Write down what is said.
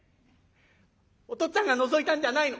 お父っつぁんがのぞいたんじゃないの。